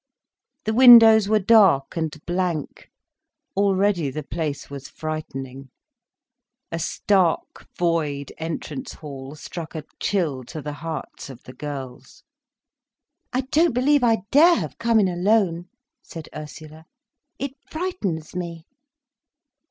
The windows were dark and blank, already the place was frightening. A stark, void entrance hall struck a chill to the hearts of the girls. "I don't believe I dare have come in alone," said Ursula. "It frightens me."